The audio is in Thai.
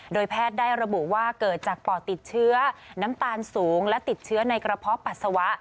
โดยแพทย์ได้ระบุว่าเกิดจากปอดติดเชื้อน้ำตาลสูงและติดเชื้อในกระเพาะปัสสาวะ